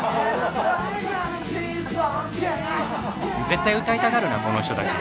絶対歌いたがるなこの人たち。